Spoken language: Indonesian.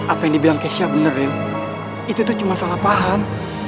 apa yang dibilang kesya bener itu tuh cuma salah paham